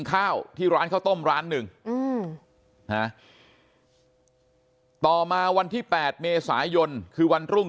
ข้าวที่ร้านข้าวต้มร้านหนึ่งต่อมาวันที่๘เมษายนคือวันรุ่ง